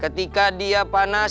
ketika dia panas